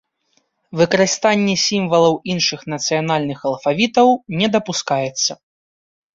Выкарыстанне сімвалаў іншых нацыянальных алфавітаў не дапускаецца.